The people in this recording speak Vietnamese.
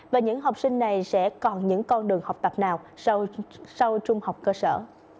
và những học sinh này sẽ còn những con đường học tập nào sau trung học cơ sở